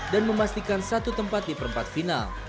dan memastikan satu tempat di perempat final